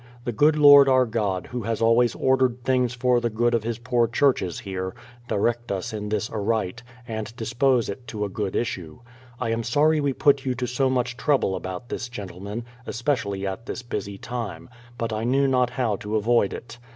The Good Lord our God Who has always ordered things for the good of His poor churches here, direct us in this aright, and dispose it to a good issue. I am sorry we put you to so much trouble about this gentleman, especially at this busy time, but I knew not how to avoid it.